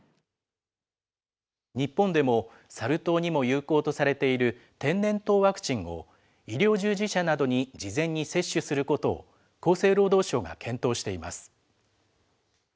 日本でも、サル痘にも有効とされている天然痘ワクチンを、医療従事者などに事前に接種することを厚生労働省が検討しています。